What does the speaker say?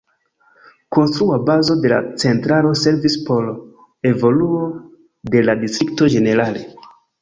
Konstrua bazo de la centralo servis por evoluo de la distrikto ĝenerale.